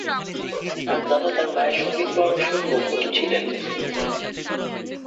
তার দাদা তাঁর মায়ের সংগীত পরামর্শক/কোচও ছিলেন।